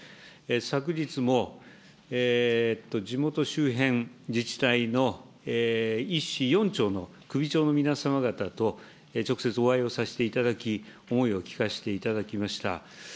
昨日も地元周辺自治体の１市４町の首長の皆様方と直接、お会いをさせていただき、思いを聞かせていただきました。